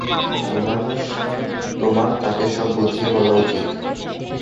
তোমার তাকে সব বুঝিয়ে বলা উচিত।